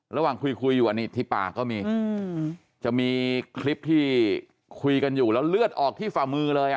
ระหว่างคุยคุยอยู่อันนี้ที่ปากก็มีจะมีคลิปที่คุยกันอยู่แล้วเลือดออกที่ฝ่ามือเลย